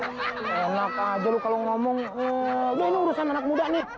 enak aja lu kalau ngomong gue ini urusan anak muda nih